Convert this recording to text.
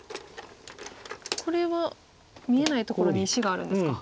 これは見えないところに石があるんですか。